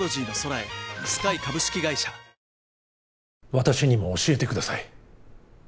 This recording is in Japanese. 私にも教えてください